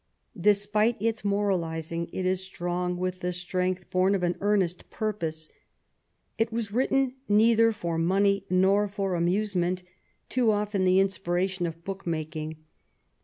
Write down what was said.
Despite its moralizing it is strong with the strength bom of an earnest purpose. It was written neither for money nor for amusement, too often the inspiration of book making.